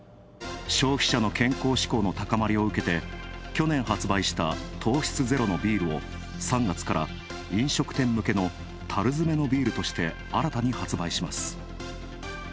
消費者の健康志向の高まりを受けて、去年発売した糖質ゼロのビールを３月から、飲食店向けのたる詰めのビールとして新たに発売します。